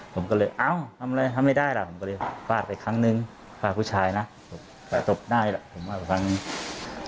ผมก็เลยเอ้าทำอะไรทำไม่ได้ล่ะผมก็เลยฟาดไปครั้งนึงฟาดผู้ชายนะตบได้ล่ะผมว่าไปครั้งนี้